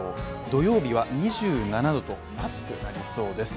土曜日は２７度と暑くなりそうです。